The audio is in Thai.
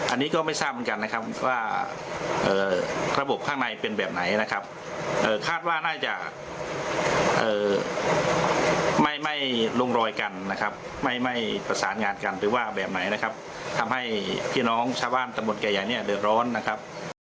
อันนี้ก็ไม่ทราบเหมือนกันนะครับว่าระบบข้างในเป็นแบบไหนนะครับคาดว่าน่าจะไม่ลงรอยกันนะครับไม่ประสานงานกันไปว่าแบบไหนนะครับทำให้พี่น้องชาวบ้านตำบลแก่ใหญ่เนี่ยเดือดร้อนนะครับ